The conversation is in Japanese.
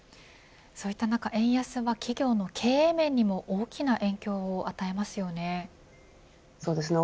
そういった中円安は企業の経営面にも大きな影響を与えますよね。